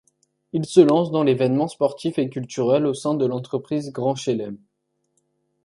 Il se lance dans l'événement sportif et culturel au sein de l'entreprise Grand Chelem.